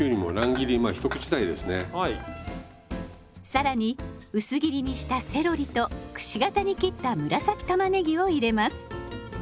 更に薄切りにしたセロリとくし形に切った紫たまねぎを入れます。